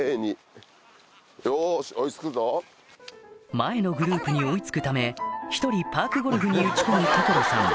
前のグループに追い付くため一人パークゴルフに打ち込む所さん